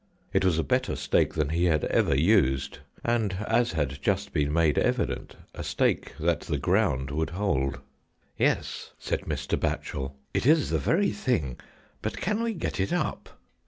It was a better stake than he had ever used, and as had just been made evident, a stake that the ground would hold. "Yes!" said Mr. Batchel, "it is the very thing; but can we get it up?"